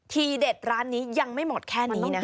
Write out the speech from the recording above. ทีเด็ดร้านนี้ยังไม่หมดแค่นี้นะคะ